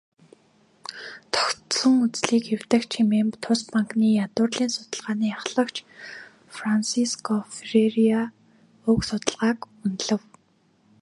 "Тогтсон үзлийг эвдэгч" хэмээн тус банкны ядуурлын судалгааны ахлагч Франсиско Ферреира уг судалгааг үнэлэв.